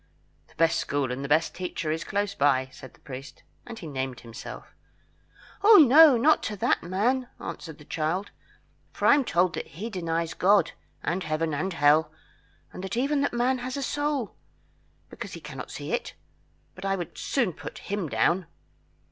"The best school and the best teacher is close by," said the priest, and he named himself. "Oh, not to that man," answered the child, "for I am told he denies God, and Heaven, and Hell, and even that man has a soul, because he cannot see it; but I would soon put him down."